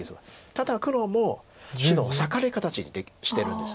ただ黒も白を裂かれ形にしてるんです。